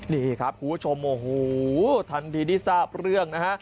นี่ครับคุณผู้ชมโอ้โหทันทีที่ทราบเรื่องนะฮะ